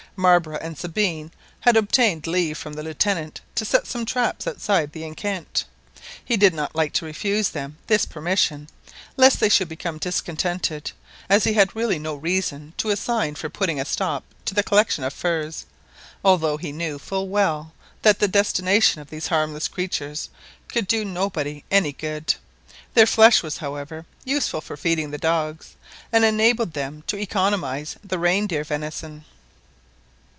Marbre and Sabine had obtained leave from the Lieutenant to set some traps outside the enceinte. He did not like to refuse them this permission, lest they should become discontented, as he had really no reason to assign for putting a stop to the collecting of furs, although he knew full well that the destination of these harmless creatures could do nobody any good. Their flesh was, however, useful for feeding the dogs, and enabled them to economise the reindeer venison.